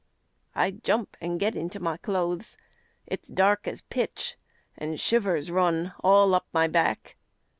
I jump an' get into my clothes; It's dark as pitch, an' shivers run All up my back.